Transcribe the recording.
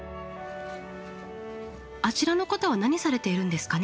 あちらの方は何されているんですかね？